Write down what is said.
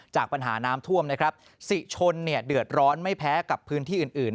จากปัญหาน้ำท่วมนะครับสิชนเนี่ยเดือดร้อนไม่แพ้กับพื้นที่อื่นอื่น